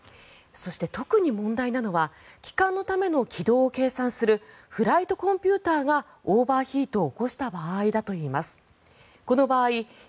そして特に問題なのは帰還のための軌道を計算するフライトコンピューターがオーバーヒートを起こした場合だといいます。